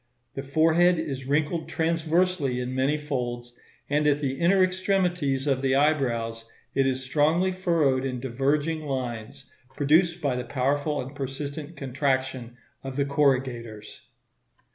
The forehead is wrinkled transversely in many folds, and at the inner extremities of the eyebrows it is strongly furrowed in diverging lines, produced by the powerful and persistent contraction of the corrugators.